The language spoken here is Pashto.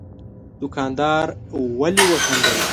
دوکاندار ولي وخندل؟